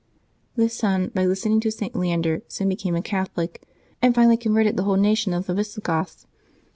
This son, by listening to St. Leander, soon became a Cath olic, and finally converted the whole nation of the Visi goths.